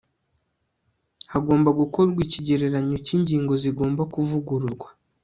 hagomba gukorwa ikigereranyo cy'ingingo zigomba kuvugurwa